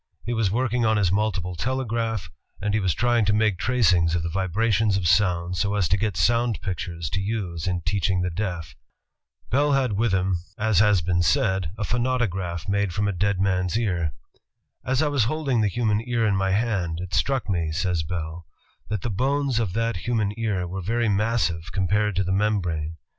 He was working on his multiple telegraph, and he was trying to make tracings of the vibrations of sounds so as to get soimd pictures to use in teaching the deaf. Bell had with him, as has been said, a phonautograph made from a dead man's ear. "As I was holding the human ear in my hand, it struck me," says Bell, "that the bones of that human ear were very massive compared to the membrane.